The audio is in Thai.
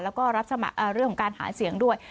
แล้วก็รับสมัครเรื่องของการหาเสียงด้วย